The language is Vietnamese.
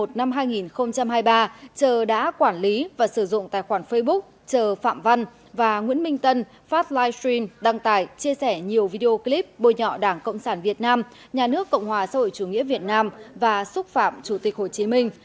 năm hai nghìn hai mươi ba trờ đã quản lý và sử dụng tài khoản facebook trờ phạm văn và nguyễn minh tân phát livestream đăng tải chia sẻ nhiều video clip bôi nhọ đảng cộng sản việt nam nhà nước cộng hòa xã hội chủ nghĩa việt nam và xúc phạm chủ tịch hồ chí minh